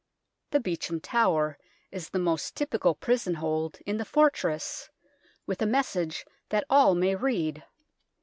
The Beau champ Tower is the most typical prison hold in the fortress, with a message that all may read.